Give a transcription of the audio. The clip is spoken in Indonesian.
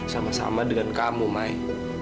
sama sama dengan kamu mai